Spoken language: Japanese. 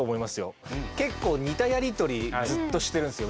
結構似たやり取りずっとしてるんですよ